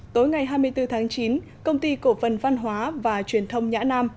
tối ngày hai mươi bốn tháng chín công ty cổ phần văn hóa và truyền thông nhã nam